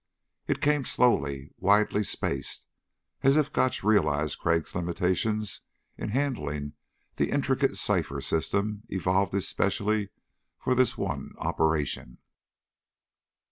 It came slowly, widely spaced, as if Gotch realized Crag's limitations in handling the intricate cipher system evolved especially for this one operation.